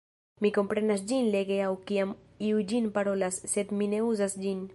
Mi komprenas ĝin lege aŭ kiam iu ĝin parolas, sed mi ne uzas ĝin.